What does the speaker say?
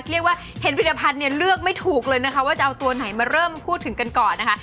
เรียกว่าเห็นผลิตภัณฑ์เนี่ยเลือกไม่ถูกเลยนะคะว่าจะเอาตัวไหนมาเริ่มพูดถึงกันก่อนนะคะ